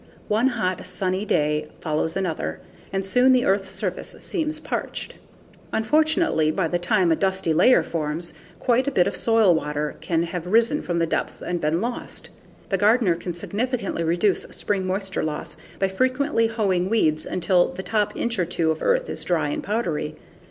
One hot, sunny day follows another, and soon the earth's surface seems parched. Unfortunately, by the time a dusty layer forms, quite a bit of soil water may have risen from the depths and been lost. The gardener can significantly reduce spring moisture loss by frequently hoeing weeds until the top inch or two of earth is dry and powdery.